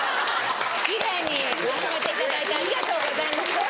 奇麗にまとめていただいてありがとうございます。